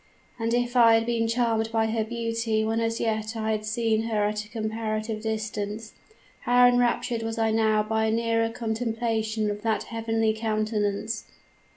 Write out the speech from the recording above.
And if I had been charmed by her beauty when as yet I had seen her at a comparative distance, how enraptured was I now by a nearer contemplation of that heavenly countenance.